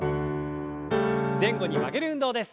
前後に曲げる運動です。